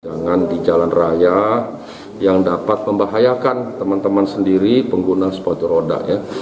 jangan di jalan raya yang dapat membahayakan teman teman sendiri pengguna sepatu roda ya